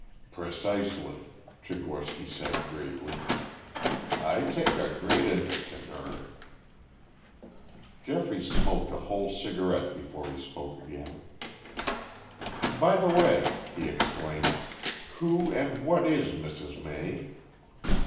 "Precisely," Tchigorsky said gravely. "I take a great interest in her." Geoffrey smoked a whole cigarette before he spoke again. "By the way," he exclaimed, "who and what is Mrs. May?"